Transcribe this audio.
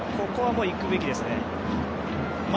ここはいくべきですね。